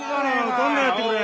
どんどんやってくれ。